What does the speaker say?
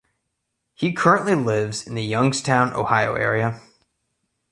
He currently lives in the Youngstown, Ohio area.